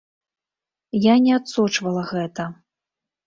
Я не адсочвала гэта.